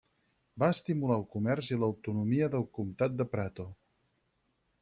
Va estimular el comerç i l'autonomia del comtat de Prato.